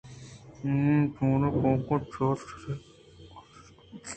آئی ءِ چرے کُوکاراں چُلّ ءِ سرے وپتگیں پِشّی سکّ بے وار اَت